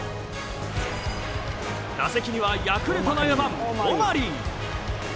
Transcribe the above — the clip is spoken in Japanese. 打席にはヤクルトの４番オマリー。